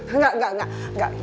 enggak enggak enggak